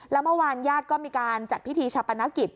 แล้วเมื่อวานญาติก็มีการจัดพิธีชาปนกิจ